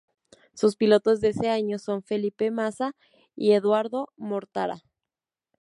Sus pilotos de este año son Felipe Massa y Edoardo Mortara.